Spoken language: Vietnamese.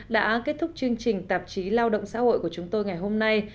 đã kết thúc chương trình tạp chí lao động xã hội của chúng tôi ngày hôm nay